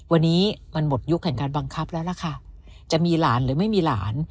วันนี้มันหมดยุคแห่งการบังคับแล้วล่ะค่ะจะมีหลานหรือไม่มีหลาน